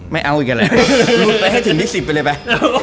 ไม่เอาอีกอะไรลุ้นไปให้ถึงที่๑๐ไปเลยไป